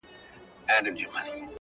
رشتيا خبري يا مست کوي، يا لېونى.